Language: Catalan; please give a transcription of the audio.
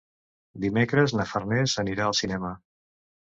Dimecres na Farners anirà al cinema.